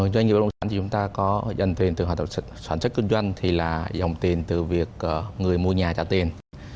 doanh nghiệp bất động sản thì chúng ta có dòng tiền từ hoạt động sản xuất kinh doanh thì là dòng tiền từ việc người mua nhà trả tiền